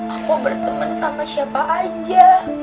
aku berteman sama siapa aja